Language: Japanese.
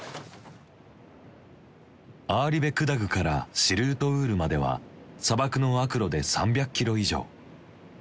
アーリベクダグからシルートウールまでは砂漠の悪路で３００キロ以上。